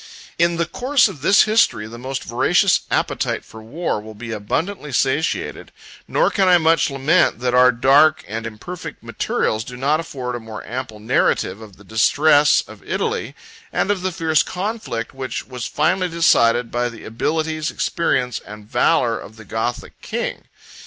In the course of this History, the most voracious appetite for war will be abundantly satiated; nor can I much lament that our dark and imperfect materials do not afford a more ample narrative of the distress of Italy, and of the fierce conflict, which was finally decided by the abilities, experience, and valor of the Gothic king.